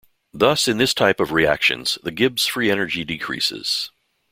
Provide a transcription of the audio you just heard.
Thus in this type of reactions the Gibbs free energy decreases.